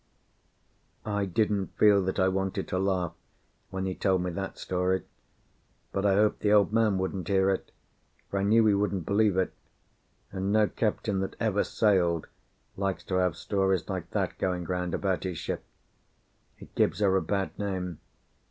I didn't feel that I wanted to laugh when he told me that story; but I hoped the Old Man wouldn't hear it, for I knew he wouldn't believe it, and no captain that ever sailed likes to have stories like that going round about his ship. It gives her a bad name.